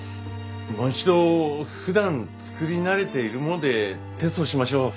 もう一度ふだん作り慣れているものでテストしましょう。